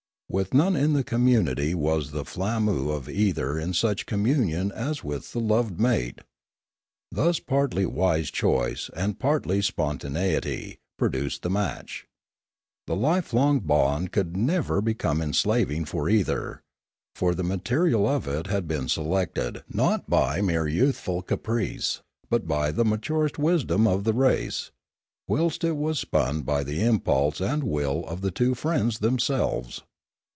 With none in the community was the filammu of either in such communion as with the loved mate. Thus partly wise choice, and partly spontaneity, produced the match. The lifelong bond could never become enslaving for either; for the material of it had been selected not by mere youthful caprice, but by the maturest wisdom of the race, whilst it was spun by the impulse and will of the two friends themselves.